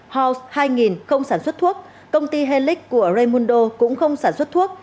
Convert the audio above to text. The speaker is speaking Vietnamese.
house hai nghìn không sản xuất thuốc công ty helix của raymundo cũng không sản xuất thuốc